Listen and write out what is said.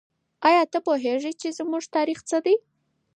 آیا ته پوهېږې چې زموږ تاریخ څه دی؟